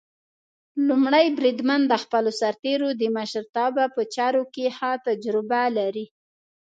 لومړی بریدمن د خپلو سرتېرو د مشرتابه په چارو کې ښه تجربه لري.